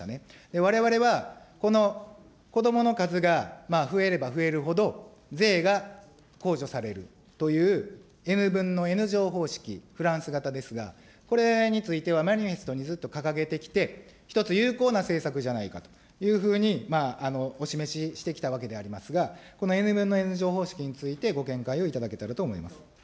われわれは、この子どもの数が増えれば増えるほど、税が控除されるというＮ分のＮ乗方式、フランス型ですが、これについてはマニフェストにずっと掲げてきて、一つ有効な政策じゃないかというふうに、お示ししてきたわけでありますが、このＮ分のＮ乗方式について、ご見解をいただけたらと思います。